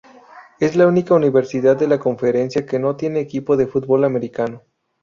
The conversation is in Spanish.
Es la única universidad de la conferencia que no tiene equipo de fútbol americano.